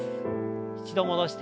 一度戻して。